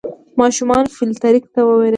ماشومان فلیریک ته ویرېدل.